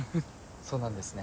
そうなんですね。